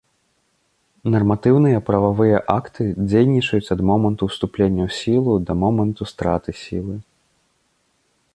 Нарматыўныя прававыя акты дзейнічаюць ад моманту ўступлення ў сілу да моманту страты сілы.